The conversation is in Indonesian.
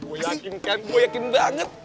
gue yakin kan gue yakin banget